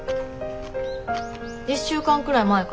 １週間くらい前かな。